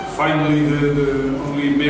akhirnya penampilan terakhir adalah penampilan